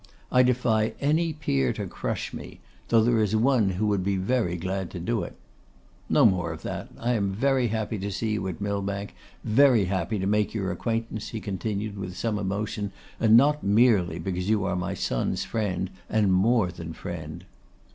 I defy any peer to crush me, though there is one who would be very glad to do it. No more of that; I am very happy to see you at Millbank, very happy to make your acquaintance,' he continued, with some emotion, 'and not merely because you are my son's friend and more than friend.